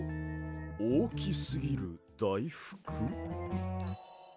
おおきすぎるだいふく？